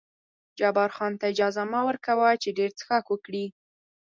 جبار خان ته اجازه مه ور کوه چې ډېر څښاک وکړي.